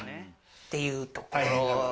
っていうところ。